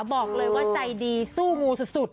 บอกเลยว่าใจดีสู้งูสุด